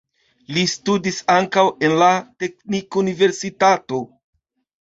Li studis ankaŭ en la teknikuniversitato.